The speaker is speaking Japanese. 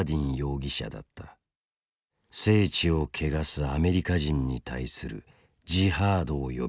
聖地を汚すアメリカ人に対するジハードを呼びかけたのだ。